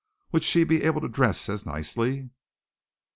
Would she be able to dress as nicely?